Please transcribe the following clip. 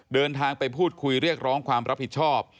เดินทางไปพูดคุยเรียกร้องความรับผิดชอบ